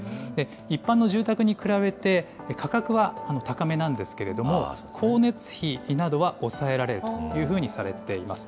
一般の住宅に比べて、価格は高めなんですけれども、光熱費などは抑えられるというふうにされています。